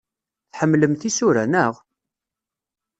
Tḥemmlemt isura, naɣ?